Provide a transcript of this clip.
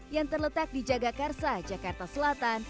yang terletak di jagakarsa jakarta selatan